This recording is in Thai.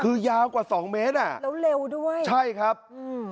คือยาวกว่าสองเมตรอ่ะแล้วเร็วด้วยใช่ครับอืม